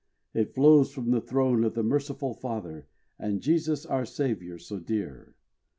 It flows from the throne of the merciful Father, And Jesus our Saviour so dear.